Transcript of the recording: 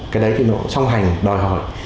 cái đấy thì nó xong hành